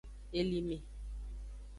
Elime.